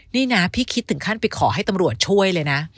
นี่นะพี่คิดถึงขั้นไปขอให้ตำรวจช่วยเลยนะ